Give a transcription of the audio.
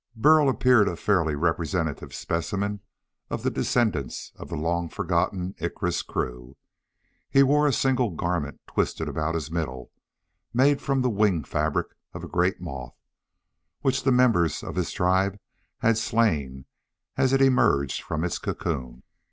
Burl appeared a fairly representative specimen of the descendants of the long forgotten Icarus crew. He wore a single garment twisted about his middle, made from the wing fabric of a great moth which the members of his tribe had slain as it emerged from its cocoon.